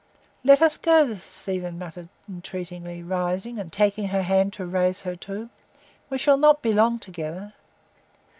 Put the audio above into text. "Let us go," Stephen murmured entreatingly, rising, and taking her hand to raise her too. "We shall not be long together."